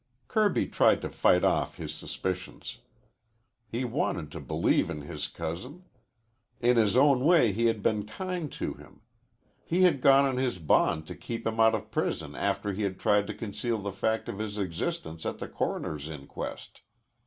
Kirby tried to fight off his suspicions. He wanted to believe in his cousin. In his own way he had been kind to him. He had gone on his bond to keep him out of prison after he had tried to conceal the fact of his existence at the coroner's inquest.